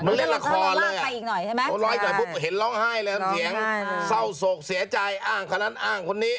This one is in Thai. มันเล่นละครเลยอะเห็นร้องไห้เลยเท่านี้ซ่าวโสกเสียใจอ้างขนัดอ้างคนนี้